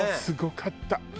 すごかった！